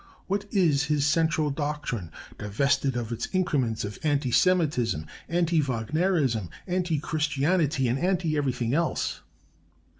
What is his central doctrine, divested of its increments of anti Semitism, anti Wagnerism, anti Christianity, and anti everything else?